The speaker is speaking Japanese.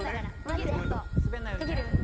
滑んないようにね。